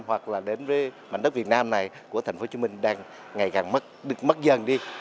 hoặc là đến với mảnh đất việt nam này của thành phố hồ chí minh đang ngày càng mất dần đi